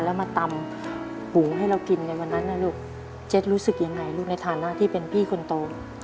แล้วมาตำหมูให้เรากินในวันนั้นนะลูกเจ็ดรู้สึกยังไงลูกในฐานะที่เป็นพี่คนโต